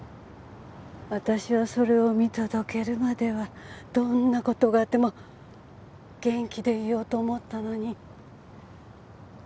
私はそれを見届けるまではどんな事があっても元気でいようと思ったのに。